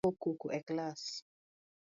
Ng’ama go koko e klass